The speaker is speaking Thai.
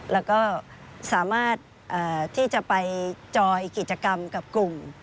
แล้วก็สามารถที่จะไปจอยกิจกรรมกับกลุ่ม